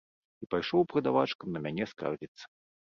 І пайшоў прадавачкам на мяне скардзіцца.